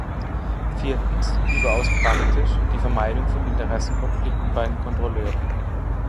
Viertens, überaus praktisch, die Vermeidung von Interessenskonflikten bei den Kontrolleuren.